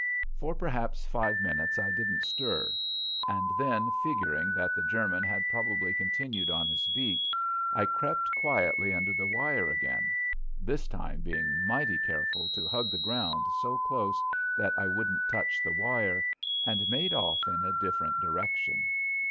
For perhaps five minutes I didn't stir, and then, figuring that the German had probably continued on his beat, I crept quietly under the wire again, this time being mighty careful to hug the ground so close that I wouldn't touch the wire, and made off in a different direction.